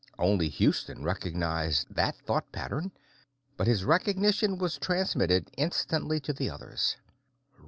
Only Houston recognized that thought pattern, but his recognition was transmitted instantly to the others.